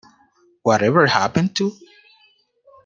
Whatever happened to...?